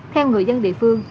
theo người dân địa phương